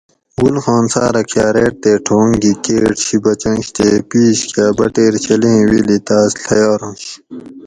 گل خان ساۤرہ کھاۤریٹ تے ٹھونگ گھی کیٹ شی بچنش تے پِیش کہ ا بٹیر شلیں ویلی تاۤس ڷیارانش